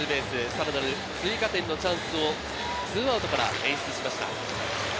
さらなる追加点のチャンスを２アウトから演出しました。